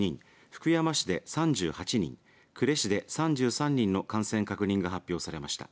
福山市で３８人呉市で３３人の感染確認が発表されました。